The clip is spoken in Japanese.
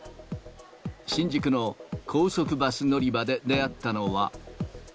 新宿の高速バス乗り場で出会ったのは。